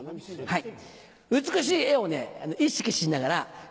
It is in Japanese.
はい！